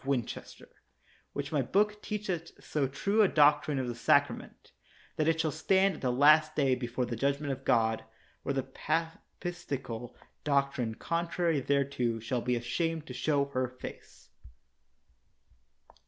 21 THE WORLD'S FAMOUS ORATIONS Chester, which my book teacheth so true a doc trine of the sacrament, that it shall stand at the last day before the judgment of God, where the Papistical doctrine contrary thereto shall be ashamed to show her face.